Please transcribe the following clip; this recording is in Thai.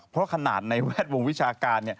เพราะขนาดในแวดวงวิชาการ